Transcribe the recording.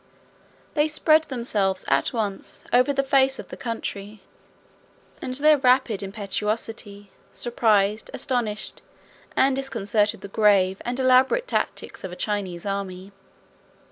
They spread themselves at once over the face of the country; and their rapid impetuosity surprised, astonished, and disconcerted the grave and elaborate tactics of a Chinese army.